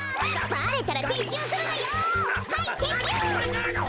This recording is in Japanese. バレたらてっしゅうするのよ。